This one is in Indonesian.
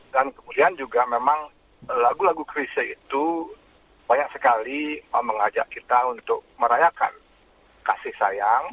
dan kemudian juga memang lagu lagu kerisnya itu banyak sekali mengajak kita untuk merayakan kasih sayang